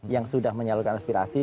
yang sudah menyalurkan aspirasi